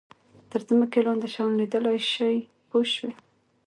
تر ځمکې لاندې شیان لیدلای شي پوه شوې!.